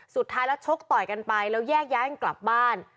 สุดท้ายแล้วชกต่อยกันไปแล้วแยกย้ายกันกลับบ้าน